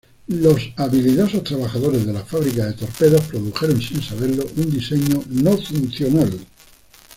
Los habilidosos trabajadores en la fábrica de torpedos produjeron sin saberlo un diseño no-funcional.